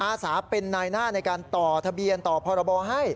อาสาเป็นนายหน้าในการต่อทะเบียนต่อพรบให้